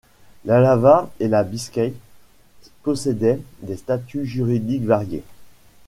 L'Alava et la Biscaye possédaient des statuts juridiques variés.